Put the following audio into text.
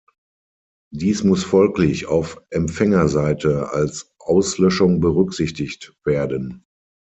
Dies muss folglich auf Empfängerseite als Auslöschung berücksichtigt werden.